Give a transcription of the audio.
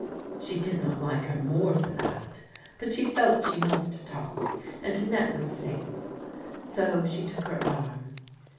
She did not like her more for that, but she felt she must talk, and Annette was safe. So she took her arm.